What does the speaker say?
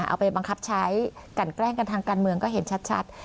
เอาไปบังคับใช้กันแกล้งกันทางการเมืองก็เห็นชัด